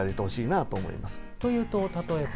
というと例えば？